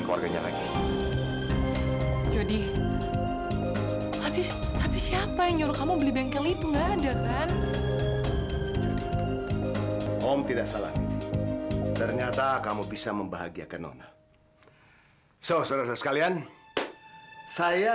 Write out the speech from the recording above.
karena cinta kamu sama jody